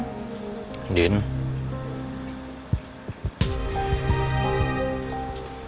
tadi kamu bilang sama om katanya